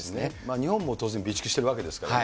日本も当然備蓄してるわけですからね。